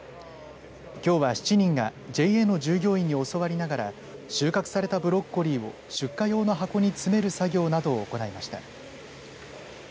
きょうは７人がＪＡの従業員に教わりながら収穫されたブロッコリーを出荷用の箱に詰める作業などを行いました。